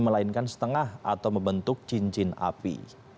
melainkan setengah atau membentuk cincin api